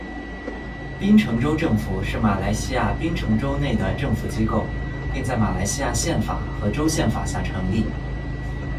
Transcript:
槟城州政府是马来西亚槟城州内的政府机构，并在马来西亚宪法和州宪法下成立。